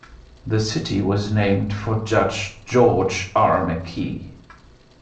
The city was named for Judge George R. McKee.